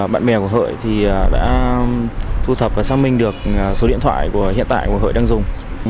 bạn bè của hợi thì đã thu thập và xác minh được số điện thoại của hiện tại của hội đang dùng